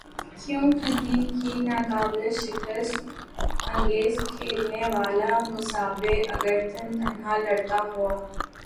کیونکہکی ناقابل شکست اننگز کھیلنے والا مصباح اگر تن تنہا لڑتا ہوا